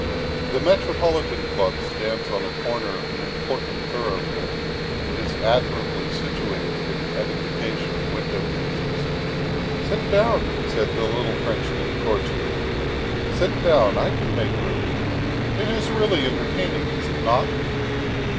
The Metropolitan Club stands on a corner of an important thoroughfare and is admirably situated for the edification of window gazers. " Sit down," said the little Frenchman cordially, " sit down. I can make room. It is really entertaining, is it not?"